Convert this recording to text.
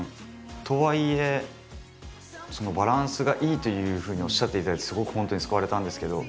とはいえバランスがいいというふうにおっしゃっていただいてすごく本当に救われたんですけど。